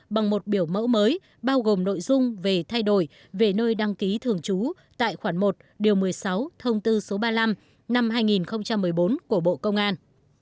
bằng một biểu mẫu mới bao gồm nội dung về thay đổi về nơi đăng ký thường trú tại khoản một điều một mươi sáu thông tư số ba mươi năm năm hai nghìn một mươi bốn của bộ công an